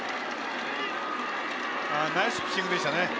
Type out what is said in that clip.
ナイスピッチングでしたね。